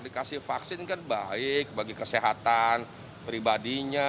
dikasih vaksin kan baik bagi kesehatan pribadinya